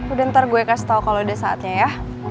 udah ntar gue kasih tau kalau udah saatnya ya